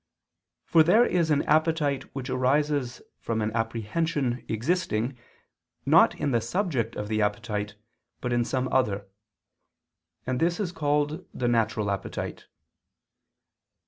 For there is an appetite which arises from an apprehension existing, not in the subject of the appetite, but in some other: and this is called the _natural appetite.